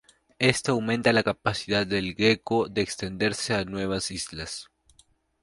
Esto aumenta la capacidad del geco de extenderse a nuevas islas.